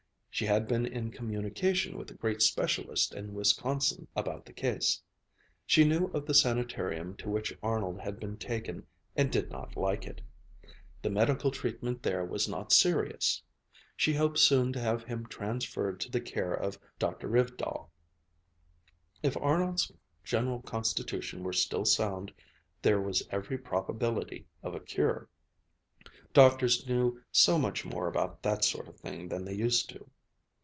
She had been in communication with a great specialist in Wisconsin about the case. She knew of the sanitarium to which Arnold had been taken and did not like it. The medical treatment there was not serious. She hoped soon to have him transferred to the care of Dr. Rivedal. If Arnold's general constitution were still sound, there was every probability of a cure. Doctors knew so much more about that sort of thing than they used to.